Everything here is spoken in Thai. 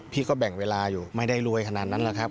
แบ่งเวลาอยู่ไม่ได้รวยขนาดนั้นแหละครับ